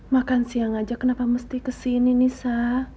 makan siang aja kenapa mesti kesini nisa